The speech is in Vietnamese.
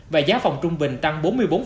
và giá phòng trung bình tăng bốn mươi bốn